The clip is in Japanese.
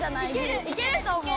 いけると思う。